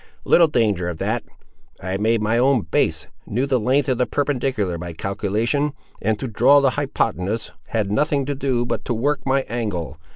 "Little danger of that! I made my own base, knew the length of the perpendicular by calculation, and to draw the hypothenuse had nothing to do but to work my angle.